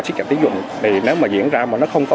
trích nhận tín dụng nếu mà diễn ra mà nó không có